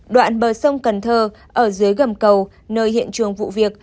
đoạn bờ sông cần thơ ở dưới gầm cầu nơi hiện trường vụ việc